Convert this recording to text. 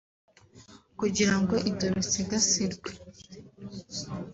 Kugira ngo ibyo bisigasirwe